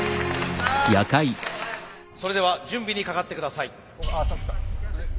それでは準備にかかって下さい。